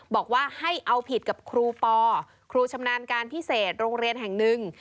บอกว่าให้เอาผิดกับครูปอครูปชำนาญการพิเศษโรงเรียนแห่งหนึ่ง